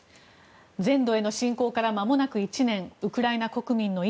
全土への侵攻からまもなく１年ウクライナ国民の今。